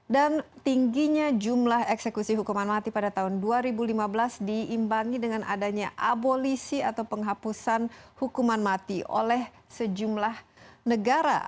dan tingginya jumlah eksekusi hukuman mati pada tahun dua ribu lima belas diimbangi dengan adanya abolisi atau penghapusan hukuman mati oleh sejumlah negara